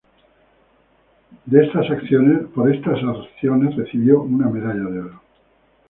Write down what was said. Por estas acciones, recibió una medalla de oro.